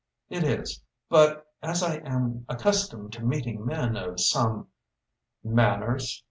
"It is; but as I am accustomed to meeting men of some " "Manners?"